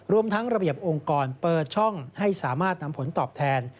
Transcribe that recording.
รวมทั้งระเบียบองค์กรเปิดช่องให้สามารถนำผลตอบแทน